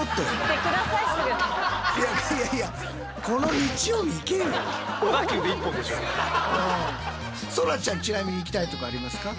いやいやいやそらちゃんちなみに行きたいとこありますか？